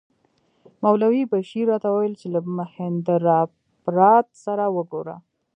مولوي بشیر راته وویل چې له مهیندراپراتاپ سره وګوره.